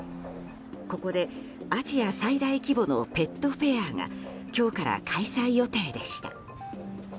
ここでアジア最大規模のペットフェアが今日から開催予定でした。